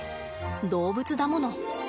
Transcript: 動物だもの。